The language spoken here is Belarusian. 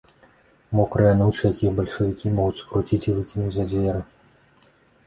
Мокрыя анучы, якіх бальшавікі могуць скруціць і выкінуць за дзверы.